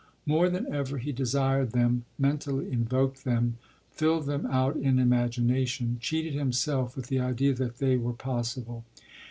More than ever he desired them, mentally invoked them, filled them out in imagination, cheated himself with the idea that they were possible.